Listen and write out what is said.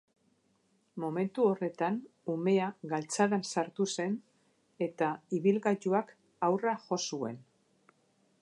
Momentu horretan, umea galtzadan sartu zen, eta ibilgailuak haurra jo zuen.